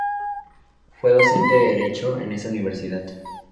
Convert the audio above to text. Fue docente de derecho en esa Universidad.